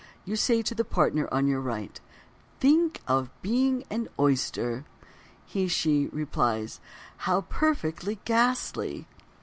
_ You say to the partner on your right: "Think of being an oyster!" She (he) replies: "How perfectly ghastly."